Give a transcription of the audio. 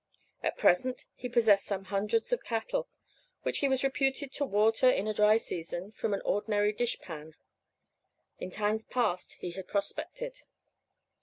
At present he possessed some hundreds of cattle, which he was reputed to water, in a dry season, from an ordinary dish pan. In times past he had prospected.